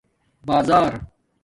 بازا